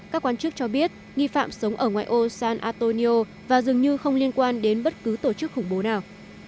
các quan chức cho biết nghi phạm sống ở ngoại ô san antonio và dường như không liên quan đến bất cứ tổ chức khủng bố nào